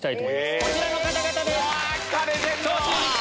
こちらの方々です！来た！